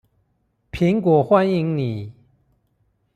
蘋果歡迎你